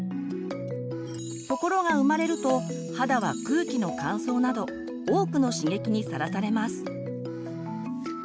ところが生まれると肌は空気の乾燥など多くの刺激にさらされます。